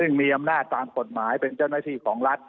ซึ่งมีอำนาจตามกฎหมายเป็นเจ้าหน้าที่ของรัฐ